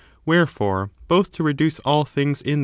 Wherefore, both to reduce all things in this s.